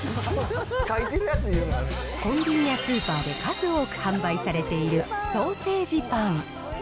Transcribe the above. コンビニやスーパーで数多く販売されているソーセージパン。